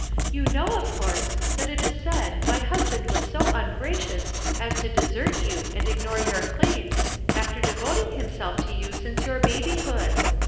You know, of course, that it is said my husband was so ungracious as to de sert you and ignore your claims after devoting himself to you since your babyhood.